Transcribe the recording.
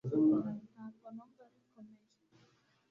ntabwo numva bikomeye